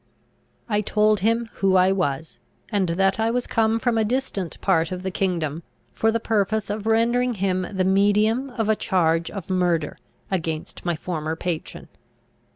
I told him who I was, and that I was come from a distant part of the kingdom, for the purpose of rendering him the medium of a charge of murder against my former patron.